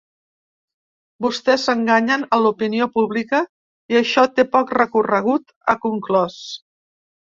Vostès enganyen a l’opinió pública i això té poc recorregut, ha conclòs.